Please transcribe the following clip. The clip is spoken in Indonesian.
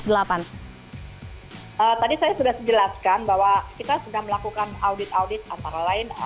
tadi saya sudah sejelaskan bahwa kita sudah melakukan audit audit antara lain